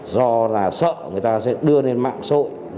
do là sợ người ta sẽ đưa lên mạng xã hội